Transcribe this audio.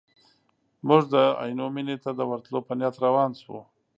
موږ د عینو مینې ته د ورتلو په نیت روان شوو.